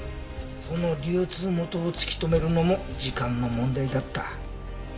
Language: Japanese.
その流通元を突き止めるのも時間の問題だった。